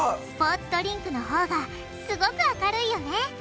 スポーツドリンクのほうがすごく明るいよね